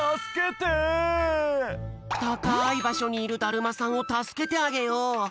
たかいばしょにいるだるまさんをたすけてあげよう！